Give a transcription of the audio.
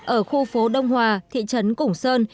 ở khu phố đông hòa thị trấn củng sơn